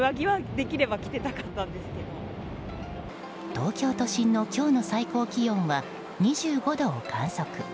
東京都心の今日の最高気温は２５度を観測。